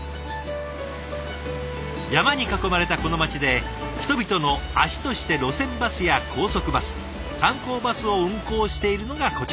山に囲まれたこの町で人々の足として路線バスや高速バス観光バスを運行しているのがこちら。